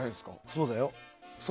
そうだよ。